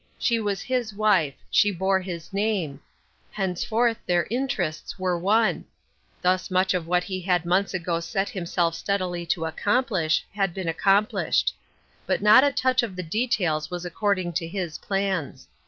She was his wife; siie bore his name; henceforth their in 278 Ruth Erskine's Crosses. terests were one, Thus much of what he had months ago set himself steadily to accomplish had been accomplished. But not a touch of the details was according to his plans.